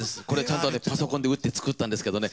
パソコンで打ったんですけれどもね。